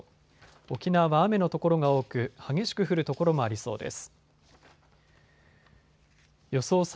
沖縄は雨の所が多く激しく降る所もありそうです。